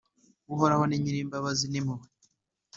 Uhoraho ni Nyir’imbabazi n’impuhwe,